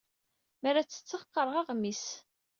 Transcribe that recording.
Mi ara ttetteɣ, qqareɣ aɣmis.